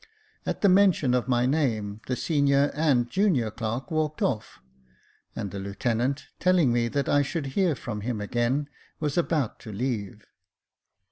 At the mention of my name the senior and junior clerk walked off, and the lieutenant, telling me that I should hear from him again, was about to leave.